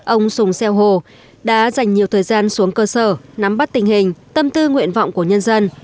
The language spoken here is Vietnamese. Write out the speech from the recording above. ông sùng xeo hồ đã dành nhiều thời gian xuống cơ sở nắm bắt tình hình tâm tư nguyện vọng của nhân dân